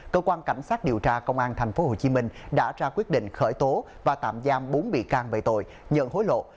cơ quan cảnh sát điều tra công an tp hcm đã ra quyết định khởi tố và tạm giam bốn bị can về tội nhận hối lộ